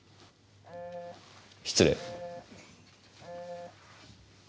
失礼。